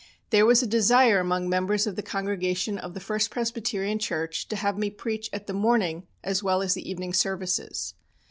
There was a desire among members of the congregation of the First Presbyterian Church to have me preach at the morning as well as the evening services.